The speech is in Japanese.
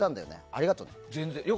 ありがとうね。